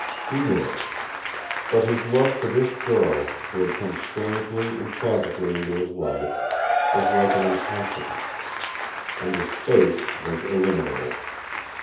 He knew it. But his love for this girl, who had come strangely and tragically into his life, was like an intoxicant. And his faith was illimitable.